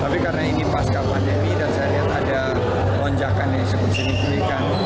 tapi karena ini pasca pandemi dan saya lihat ada lonjakan yang cukup signifikan